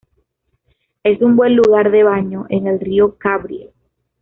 Es un buen lugar de baño en el río Cabriel.